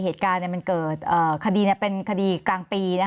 เหตุการณ์มันเกิดคดีเป็นคดีกลางปี